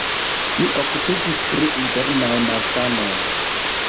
Li okupiĝis pri internaj malsanoj.